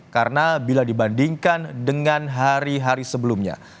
karena bila dibandingkan dengan hari hari sebelumnya